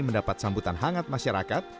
mendapat sambutan hangat masyarakat